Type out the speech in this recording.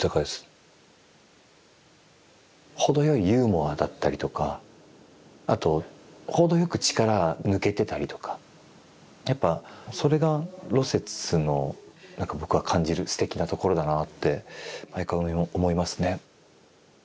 程よいユーモアだったりとかあと程よく力抜けてたりとかやっぱそれが芦雪の何か僕が感じるすてきなところだなあって毎回思いますね。